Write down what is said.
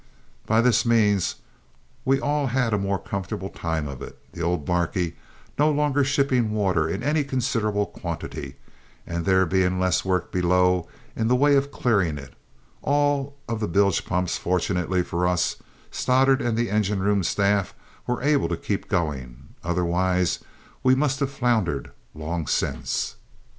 By this means we all had a more comfortable time of it, the old barquey no longer shipping water in any considerable quantity and there being less work below in the way of clearing it, all of the bilge pumps, fortunately for us all, Stoddart and the engine room staff were able to keep going; otherwise we must have foundered long since!